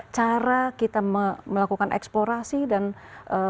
cara kita melakukan eksplorasi dan memprosesnya ini